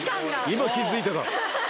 今気付いたか。